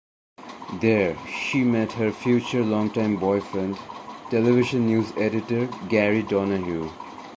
There, she met her future longtime boyfriend, television news editor Gary Donahue.